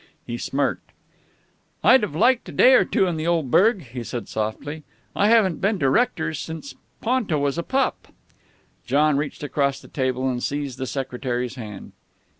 He smirked. "I'd have liked a day or two in the old burg," he said softly. "I haven't been to Rector's since Ponto was a pup." John reached across the table and seized the secretary's hand.